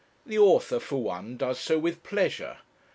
The author, for one, does so with pleasure.